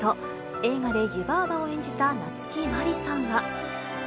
映画で湯婆婆を演じた夏木マリさんは。